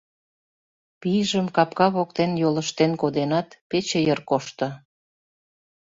Пийжым капка воктен йолыштен коденат, пече йыр кошто.